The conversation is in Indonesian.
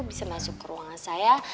bisa masuk ke ruangan saya